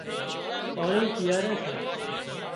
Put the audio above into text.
پاڻي پيئاري سي